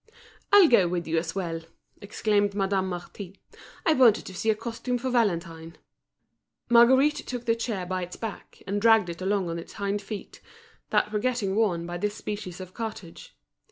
"I'll go with you as well," exclaimed Madame Marty, "I wanted to see a costume for Valentine." Marguerite took the chair by its back, and dragged it along on its hind feet, that were getting worn by this species of cartage.